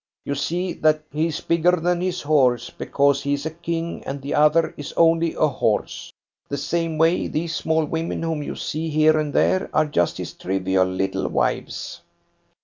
You see that he is bigger than his horse, because he is a king and the other is only a horse. The same way, these small women whom you see here and there are just his trivial little wives."